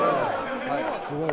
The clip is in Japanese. すごい。